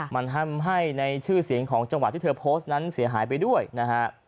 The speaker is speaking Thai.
มันทำให้ในชื่อเสียงของจังหวะที่เธอโพสต์นั้นเสียหายไปด้วยนะฮะ